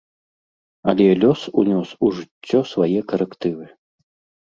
Але лёс унёс у жыццё свае карэктывы.